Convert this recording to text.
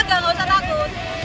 ini kan olahraga tidak usah takut